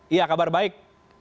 iya kabar baik